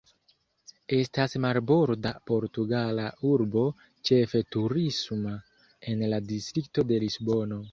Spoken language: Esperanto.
Estas marborda portugala urbo, ĉefe turisma, en la distrikto de Lisbono.